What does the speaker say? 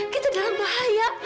kita dalam bahaya